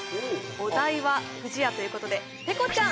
お題は不二家ということでペコちゃん！